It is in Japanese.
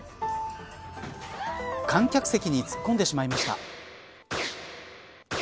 観客席に突っ込んでしまいました。